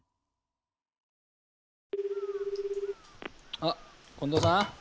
あっ近藤さん？